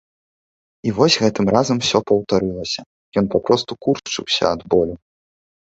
І вось гэтым разам усё паўтарылася, ён папросту курчыўся ад болю.